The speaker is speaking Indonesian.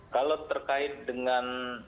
kalau terkait dengan